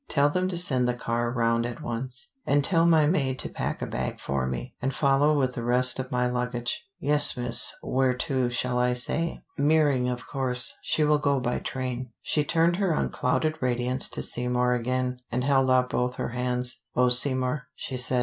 Tell them to send the car round at once. And tell my maid to pack a bag for me, and follow with the rest of my luggage." "Yes, Miss. Where to, shall I say?" "Meering, of course. She will go by train." She turned her unclouded radiance to Seymour again, and held out both her hands. "Oh, Seymour," she said.